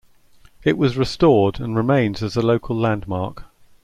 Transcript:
It was restored and remains as a local landmark.